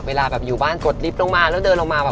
เวลาแบบอยู่บ้านกดลิฟต์ลงมาแล้วเดินลงมาแบบ